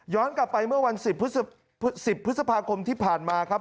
กลับไปเมื่อวัน๑๐พฤษภาคมที่ผ่านมาครับ